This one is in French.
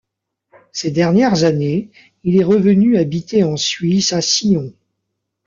Ces dernières années, il est revenu habiter en Suisse à Sion.